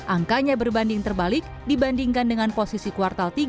angkanya berbanding terbalik dibandingkan dengan posisi kuartal tiga tahun dua ribu dua puluh